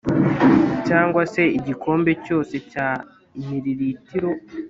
cyangwa se igikombe cyose cya miliritiro